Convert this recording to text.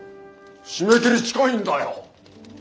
締め切り近いんだよ！